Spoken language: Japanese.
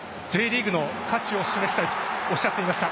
Ｊリーグの価値を示したいとおっしゃっていました。